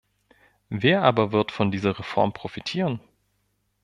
Wer aber wird von dieser Reform profitieren?